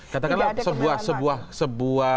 tidak ada kenalan lain